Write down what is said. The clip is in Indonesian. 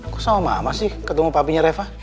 kok sama mama sih ketemu papinya reva